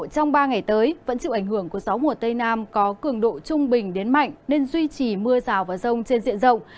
trong ba ngày tới vẫn chịu ảnh hưởng của gió mùa tây nam có cường độ trung bình đến mạnh nên duy trì mưa rào và rông trên diện rộng